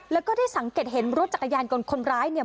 แล้วก็ได้สังเกตเห็นรถจักรยานยนต์คนร้ายเนี่ย